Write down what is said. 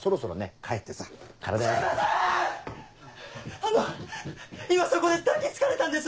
・あの今そこで抱き付かれたんです！